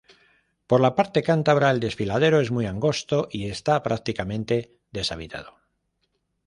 Por la parte cántabra el desfiladero es muy angosto y está prácticamente deshabitado.